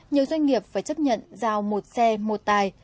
nhiều doanh nghiệp phải chấp nhận giao một xe một tài